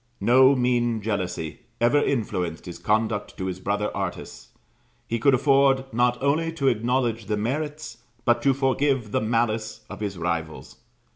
No mean jealousy ever influenced his conduct to his brother artists; he could afford not only to acknowledge the merits, but to forgive the malice, of his rivals.